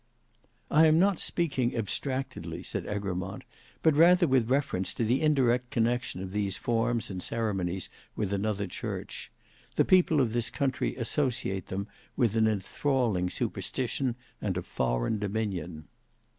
"I am not speaking abstractedly," said Egremont, "but rather with reference to the indirect connection of these forms and ceremonies with another church. The people of this country associate them with an enthralling superstition and a foreign dominion."